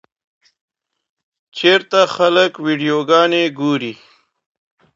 چېرته خلک ویډیوګانې ګوري؟